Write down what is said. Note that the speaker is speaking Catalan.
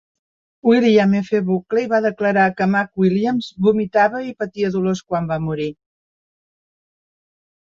William F. Buckley va declarar que McWilliams vomitava i patia dolors quan va morir.